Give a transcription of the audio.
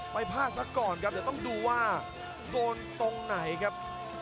พลาดซะก่อนครับเดี๋ยวต้องดูว่าโดนตรงไหนครับ